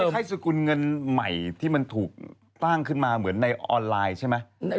ให้สกุลเงินใหม่ที่มันถูกตั้งขึ้นมาเหมือนในออนไลน์ใช่ไหม